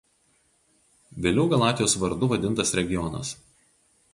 Vėliau Galatijos vardu vadintas regionas.